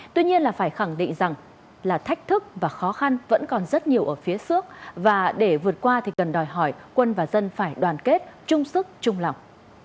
tuy nhiên là phải khẳng định rằng là thách thức và khó khăn vẫn còn rất nhiều ở phía trước và để vượt qua thì cần đòi hỏi quân và dân phải đoàn kết chung sức chung lòng